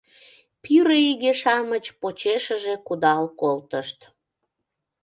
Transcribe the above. Пире иге-шамыч почешыже кудал колтышт.